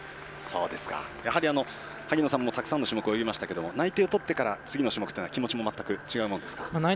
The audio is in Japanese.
やはり萩野さんもたくさんの種目泳ぎましたけど内定を取ってから次の種目っていう気持ちっていうのは違うものですか？